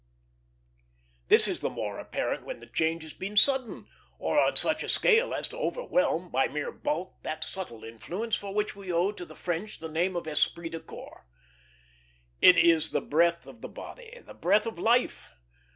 This is the more apparent when the change has been sudden, or on such a scale as to overwhelm, by mere bulk, that subtle influence for which we owe to the French the name of esprit de corps. It is the breath of the body, the breath of life.